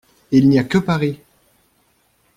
Il n'y a que Paris!